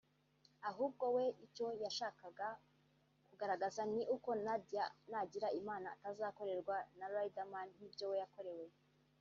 ahubwo ngo we icyo yashakaga kugaragaza ni uko Nadia nagira Imana atazakorerwa na Riderman nk’ibyo we yakorewe